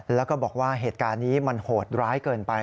แล้วก็บอกว่าเหตุการณ์นี้มันโหดร้ายเกินไป